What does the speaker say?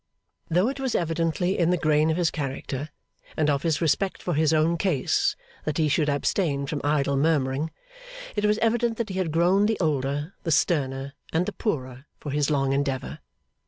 Though it was evidently in the grain of his character, and of his respect for his own case, that he should abstain from idle murmuring, it was evident that he had grown the older, the sterner, and the poorer, for his long endeavour.